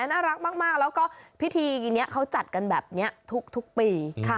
น่ารักมากแล้วก็พิธีนี้เขาจัดกันแบบนี้ทุกปี